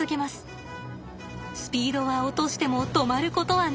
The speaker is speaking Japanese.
スピードは落としても止まることはない。